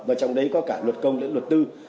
và trong đấy có cả luật công lẫn luật tư